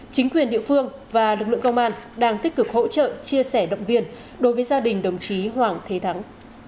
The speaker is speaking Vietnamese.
chính quyền địa phương và lực lượng công an đang tích cực hỗ trợ chia sẻ động viên đối với gia đình đồng chí hoàng thế thắng